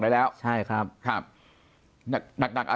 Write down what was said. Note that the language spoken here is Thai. ปากกับภาคภูมิ